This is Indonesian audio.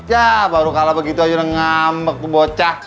ya baru kalau begitu aja udah ngambek tuh bocah